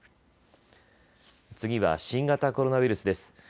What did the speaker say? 次は新型コロナウイルスです。